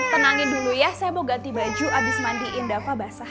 tenangin dulu ya saya mau ganti baju habis mandiin dava basah